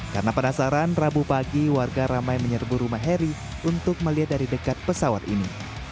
karena penasaran rabu pagi warga ramai menyerbu rumah heri untuk melihat dari dekat pesawat ini